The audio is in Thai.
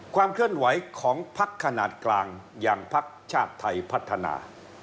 ความเคลื่อนไหวของพักขนาดกลางอย่างพักชาติไทยพัฒนา